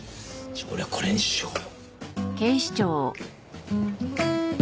じゃあ俺はこれにしよう。